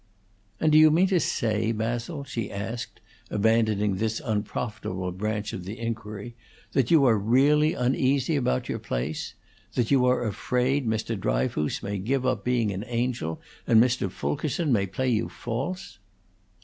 "And do you mean to say, Basil," she asked, abandoning this unprofitable branch of the inquiry, "that you are really uneasy about your place? that you are afraid Mr. Dryfoos may give up being an Angel, and Mr. Fulkerson may play you false?"